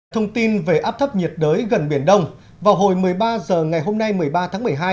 thông tin về áp thấp nhiệt đới gần biển đông vào hồi một mươi ba h ngày hôm nay một mươi ba tháng một mươi hai